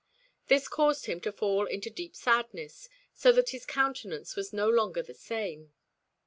This caused him to fall into deep sadness, so that his countenance was no longer the same.